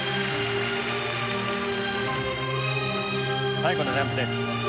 最後のジャンプです。